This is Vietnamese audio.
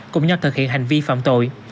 cùng nhau thực hiện hành vi phạm tội